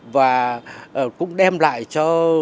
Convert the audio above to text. và cũng đem lại cho